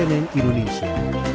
baik barang barang besar